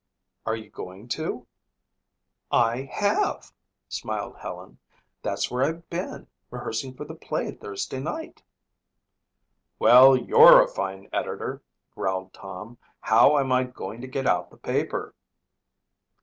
"Are you going to?" "I have," smiled Helen. "That's where I've been. Rehearsing for the play Thursday night." "Well, you're a fine editor," growled Tom. "How am I going to get out the paper?"